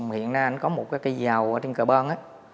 hiện nay anh có một cái cây dầu ở trên cờ bơn